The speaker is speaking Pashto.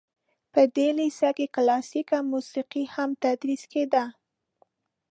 په دې لیسه کې کلاسیکه موسیقي هم تدریس کیده.